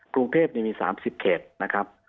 กรุงเทพมี๓๐เขตนะครับ